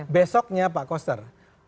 besoknya pak koster